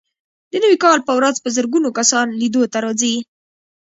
د نوي کال په ورځ په زرګونه کسان لیدو ته راځي.